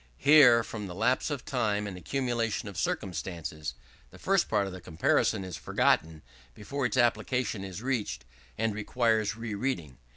Here, from the lapse of time and accumulation of circumstances, the first part of the comparison is forgotten before its application is reached, and requires re reading.